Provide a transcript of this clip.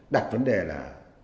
đặt vấn đề là